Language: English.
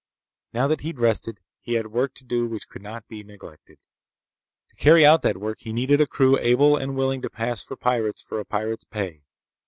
Now that he'd rested, he had work to do which could not be neglected. To carry out that work, he needed a crew able and willing to pass for pirates for a pirate's pay.